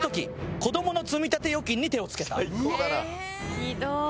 ひどい！